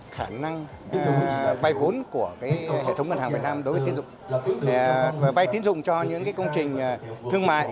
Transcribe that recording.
khả năng vai vốn của hệ thống ngân hàng việt nam đối với tín dụng vai tín dụng cho những công trình thương mại